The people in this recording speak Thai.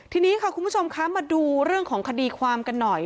ทีนี้ค่ะคุณผู้ชมคะมาดูเรื่องของคดีความกันหน่อย